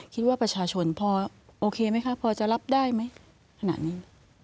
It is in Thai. คิดว่าประชาชนพอโอเคไหมคะพอจะรับได้ไหมขนาดนี้